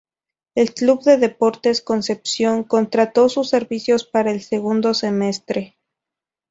El Club de Deportes Concepción contrató sus servicios para el segundo semestre.